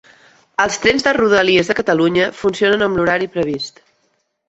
Els trens de Rodalies de Catalunya funcionen amb l'horari previst